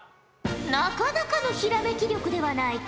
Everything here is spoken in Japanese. なかなかのひらめき力ではないか。